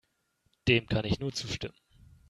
Dem kann ich nur zustimmen.